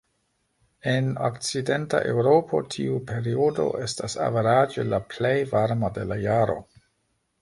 En Okcidenta Eŭropo tiu periodo estas averaĝe la plej varma de la jaro.